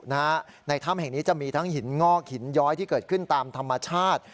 ในถ้ำแห่งนี้จะมีทั้งหินงอกหินย้อยที่เกิดขึ้นตามธรรมชาติ